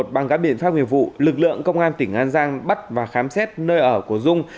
bằng các biện pháp nghiệp vụ lực lượng công an tỉnh an giang bắt và khám xét nơi ở của dung